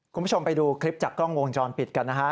คุณผู้ชมไปดูคลิปจากกล้องวงจรปิดกันนะฮะ